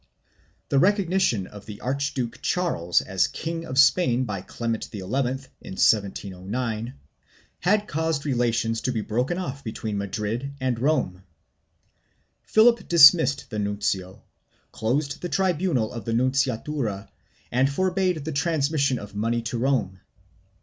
The recognition of the Archduke Charles as King of Spain by Clement XI, in 1709, had caused relations to be broken off between Madrid and Rome. Philip dismissed the nuncio, closed the tribunal of the nunciatura and forbade the transmission of money to Rome.